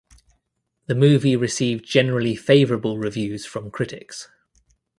The movie received generally favorable reviews from critics.